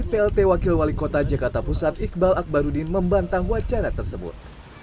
plt wakil wali kota jakarta pusat iqbal akbarudin membantah wacana tersebut